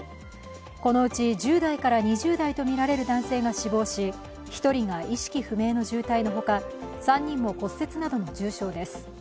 このうち１０代から２０代とみられる男性が死亡し１人が意識不明の重体のほか３人も骨折などの重傷です。